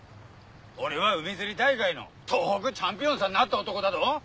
俺は海釣り大会の東北チャンピオンさなった男だど？